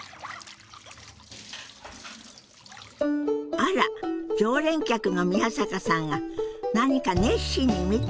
あら常連客の宮坂さんが何か熱心に見ているようよ。